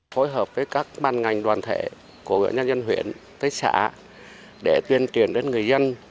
phối hợp với các ban ngành đoàn thể của huyện nhân huyện tế xã để tuyên truyền đến người dân